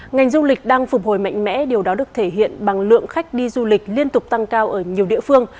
ngành du lịch đang phục hồi mạnh mẽ điều đó được thể hiện bằng lượng khách đi du lịch liên tục tăng cao ở nhiều địa phương